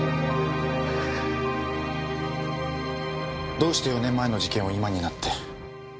どうして４年前の事件を今になって？